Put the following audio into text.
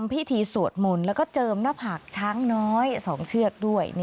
ผิดทีสวดหมุนและเจิมน้ำผากช้างน้อยสองเชือกด้วย